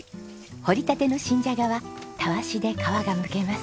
掘りたての新ジャガはたわしで皮がむけます。